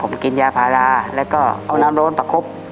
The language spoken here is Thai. ผมกินยาพาราแล้วก็เอาน้ำโรนผลักคบ